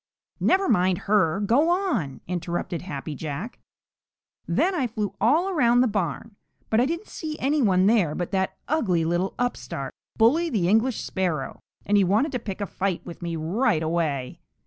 "Never mind her; go on!" interrupted Happy Jack. "Then I flew all around the barn, but I didn't see any one there but that ugly little upstart, Bully the English Sparrow, and he wanted to pick a fight with me right away."